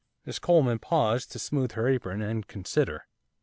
Miss Coleman paused to smooth her apron, and consider.